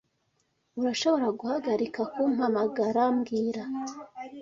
Urashobora guhagarika kumpamagara mbwira